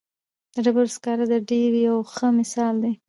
د ډبرو سکاره د دې یو ښه مثال دی.